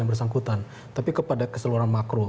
yang bersangkutan tapi kepada keseluruhan makro